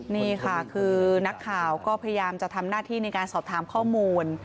นี่ค่ะคือนักข่าวก็พยายามจะทำหน้าที่ในการสอบถามข้อมูล